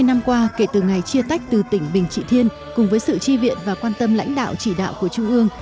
hai mươi năm qua kể từ ngày chia tách từ tỉnh bình trị thiên cùng với sự chi viện và quan tâm lãnh đạo chỉ đạo của trung ương